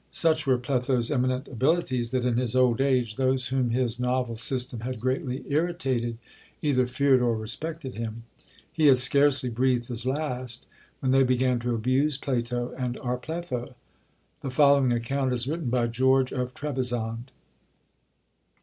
Such were Pletho's eminent abilities, that in his old age those whom his novel system had greatly irritated either feared or respected him. He had scarcely breathed his last when they began to abuse Plato and our Pletho. The following account is written by George of Trebizond.